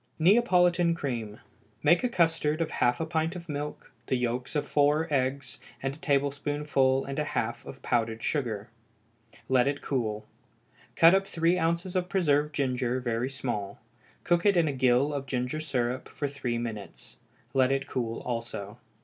Neapolitan Cream. Make a custard of half a pint of milk, the yolks of four eggs, and a tablespoonful and a half of powdered sugar. Let it cool. Cut up three ounces of preserved ginger very small; cook it in a gill of ginger syrup for three minutes. Let it cool also.